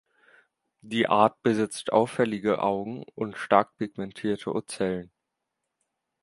Die Art besitzt auffällige Augen und stark pigmentierte Ocellen.